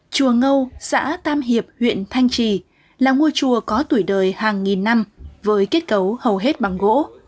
chùa ngâu xã tam hiệp huyện thanh trì là ngôi chùa có tuổi đời hàng nghìn năm với kết cấu hầu hết bằng gỗ